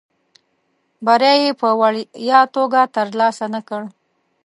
بری یې په وړیا توګه ترلاسه نه کړ.